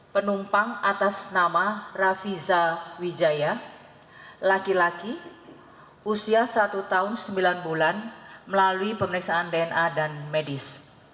penumpang atas nama rafiza wijaya laki laki usia satu tahun sembilan bulan melalui pemeriksaan dna dan medis